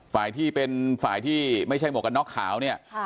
ฝ่ายที่เป็นฝ่ายที่ไม่ใช่หมวกกันน็อกขาวเนี่ย